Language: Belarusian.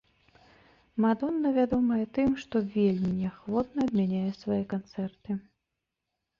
Мадонна вядомая тым, што вельмі неахвотна адмяняе свае канцэрты.